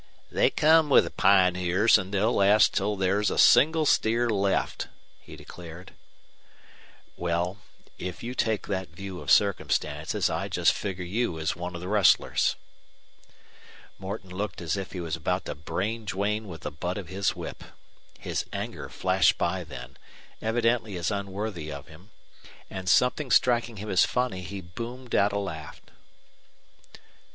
"They come with the pioneers, an' they'll last till thar's a single steer left," he declared. "Well, if you take that view of circumstances I just figure you as one of the rustlers." Morton looked as if he were about to brain Duane with the butt of his whip. His anger flashed by then, evidently as unworthy of him, and, something striking him as funny, he boomed out a laugh.